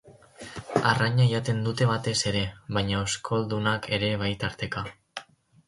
Arraina jaten dute batez ere, baina oskoldunak ere bai tarteka.